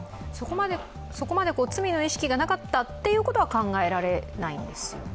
そこまで罪の意識がなかったということは考えられないですか？